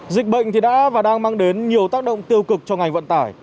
dịch bệnh thì đã và đang mang đến nhiều tác động tiêu cực cho ngành vận tải